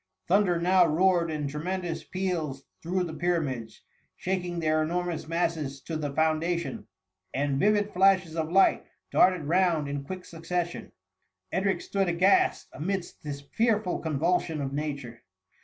Thunder now^ roared in tremendoas peals through the Pyramids, shaking their enormous masses to the foundation, and vivid flashes of light darted round in quick succes* sion. Edric stood aghast amidst this fearful convulsion of nature.